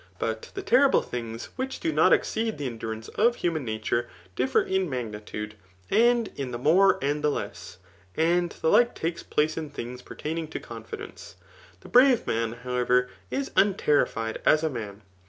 But the terrible things Vhich do not exceed the aidurance of human nature, differ in ntgnitude, and in the nx^e and the less. And the like takes place in things pertaining to confidence. The brave, man, however, is unterrified, as a man.